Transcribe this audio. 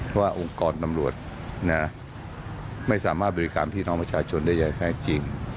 เพราะว่าองค์กรตำรวจไม่สามารถบริการพี่น้องประชาชนได้แค่จริง